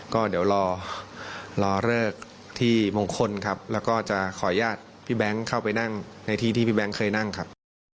ก็เดี๋ยวรอเลิกที่มงคลครับแล้วก็จะขออนุญาตพี่แบงค์เข้าไปนั่งในที่ที่พี่แบงค์เคยนั่งครับ